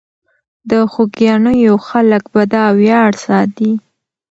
د خوګیاڼیو خلک به دا ویاړ ساتي.